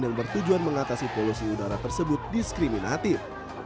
yang bertujuan mengatasi polusi udara tersebut diskriminatif